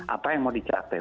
apa yang mau dicapai